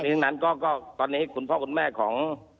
ทั้งนั้นก็ตอนนี้คุณพ่อคุณแม่ของ